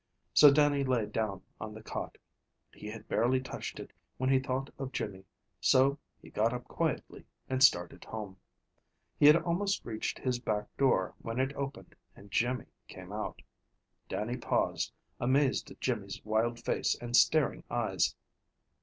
So Dannie lay down on the cot. He had barely touched it when he thought of Jimmy, so he got up quietly and started home. He had almost reached his back door when it opened, and Jimmy came out. Dannie paused, amazed at Jimmy's wild face and staring eyes.